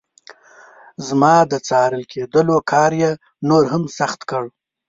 زما د څارل کېدلو کار یې نور هم سخت کړ.